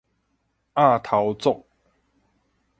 向頭族